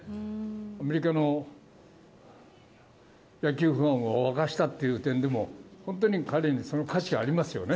アメリカの野球ファンを沸かせたという点でも、本当に彼にその価値がありますよね。